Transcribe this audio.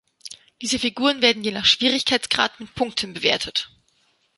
Diese Figuren werden je nach Schwierigkeitsgrad mit Punkten bewertet.